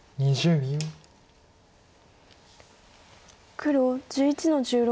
黒１１の十六。